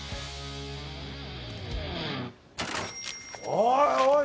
おいおい